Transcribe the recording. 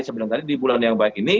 sebenarnya tadi di bulan yang baik ini